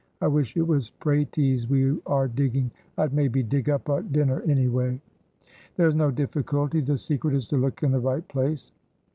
I wish it was pratees we are digging, I'd maybe dig up a dinner any way." "There is no difficulty, the secret is to look in the right place."